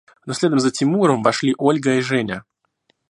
Но следом за Тимуром вошли Ольга и Женя.